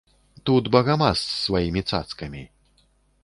Тут багамаз з сваімі цацкамі.